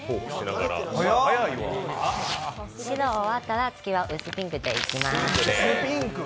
白が終わったら、次は薄ピンクでいきます。